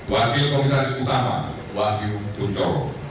wakil komisaris utama wakil bunco